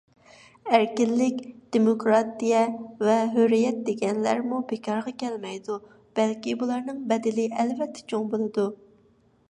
ئەركىنلىك، دېموكراتىيە ۋە ھۆرىيەت دېگەنلەرمۇ بىكارغا كەلمەيدۇ. بەلكى بۇلارنىڭ بەدىلى ئەلۋەتتە چوڭ بولىدۇ.